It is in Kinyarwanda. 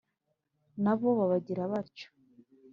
na bo babagira batyo